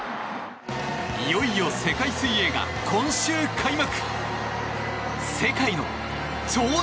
いよいよ世界水泳が今週開幕！